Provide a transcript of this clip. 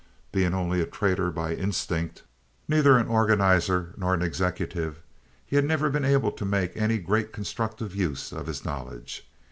Being only a trader by instinct, neither an organizer nor an executive, he had never been able to make any great constructive use of his knowledge.